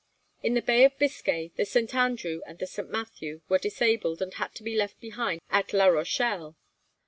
In the Bay of Biscay the 'St. Andrew' and the 'St. Matthew' were disabled, and had to be left behind at La Rochelle.